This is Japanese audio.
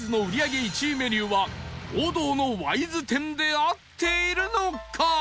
売り上げ１位メニューは王道のわいず天で合っているのか？